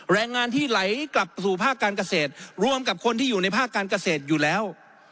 แรงงานที่ไหลกลับสู่ภาคการเกษตรรวมกับคนที่อยู่ในภาคการเกษตรอยู่แล้ว